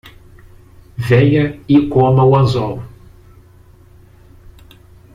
Venha e coma o anzol